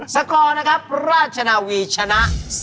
สกอร์นะครับราชนาวีชนะ